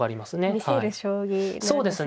見せる将棋なんですね。